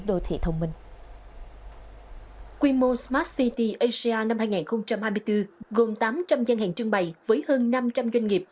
đô thị thông minh quy mô smart city asia năm hai nghìn hai mươi bốn gồm tám trăm linh gian hàng trưng bày với hơn năm trăm linh doanh nghiệp